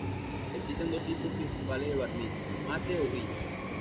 Existen dos tipos principales de barniz: mate o brillo.